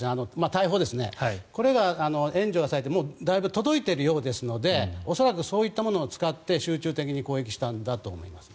大砲が援助されてだいぶ届いているようですので恐らくそういったものを使って集中的に攻撃したんだと思います。